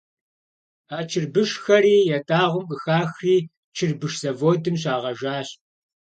А чырбышхэри ятӏагъуэм къыхахри чырбыш заводым щагъэжащ.